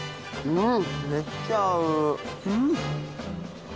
うん！